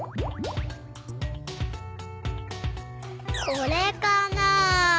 これかな？